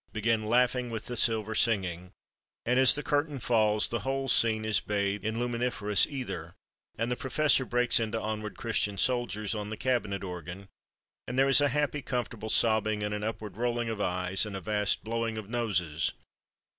begin "laughing with a silver singing," and as the curtain falls the whole scene is bathed in luminiferous ether, and the professor breaks into "Onward, Christian Soldiers!" on the cabinet organ, and there is a happy, comfortable sobbing, and an upward rolling of eyes, and a vast blowing of noses.